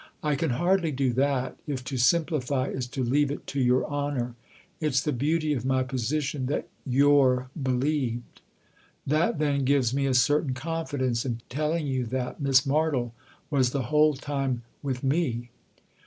" I can hardly do that if to simplify is to leave it to your honour. It's the beauty of my position that you're believed." " That, then, gives me a certain confidence in telling you that Miss Martle was the whole time with me."